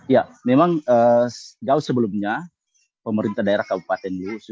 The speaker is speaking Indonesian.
ya memang jauh sebelumnya pemerintah daerah kabupaten